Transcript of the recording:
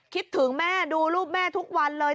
คิดถึงแม่ดูรูปแม่ทุกวันเลย